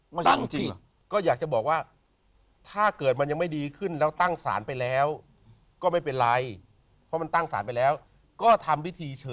มันใช้ถึงจริงเหรอ